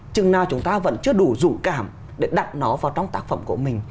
chừng nào chúng ta vẫn chưa đủ dũng cảm để đặt nó vào trong tác phẩm của mình